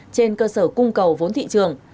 trên cơ sở cung cầu vốn thị trường